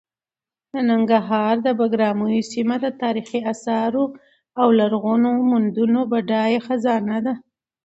د ننګرهار د بګراميو سیمه د تاریخي اثارو او لرغونو موندنو بډایه خزانه ده.